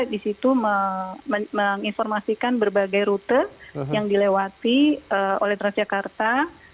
di situ menginformasikan berbagai rute yang dilewati oleh transjakarta